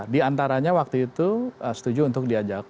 di antaranya waktu itu setuju untuk diajak